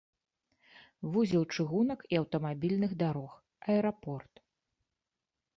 Вузел чыгунак і аўтамабільных дарог, аэрапорт.